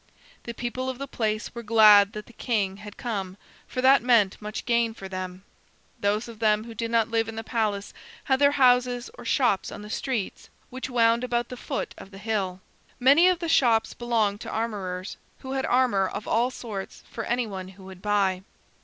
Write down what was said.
The people of the place were glad that the king had come, for that meant much gain for them. Those of them who did not live in the palace had their houses or shops on the streets which wound about the foot of the hill. Many of the shops belonged to armorers, who had armor of all sorts for any one who would buy.